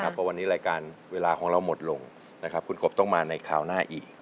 เพราะวันนี้รายการเวลาของเราหมดลงคุณกบต้องมาในคราวหน้าอีก